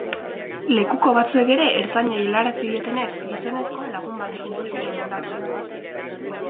Lekuko batzuek ertzainei helarazi dietenez, gizonezkoa lagun batekin zebilen hondartzan.